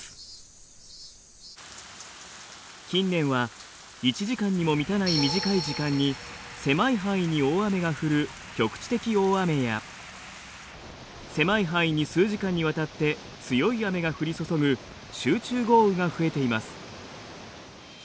近年は１時間にも満たない短い時間に狭い範囲に大雨が降る局地的大雨や狭い範囲に数時間にわたって強い雨が降り注ぐ集中豪雨が増えています。